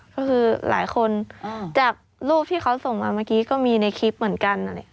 ก็คือหลายคนจากรูปที่เขาส่งมาเมื่อกี้ก็มีในคลิปเหมือนกัน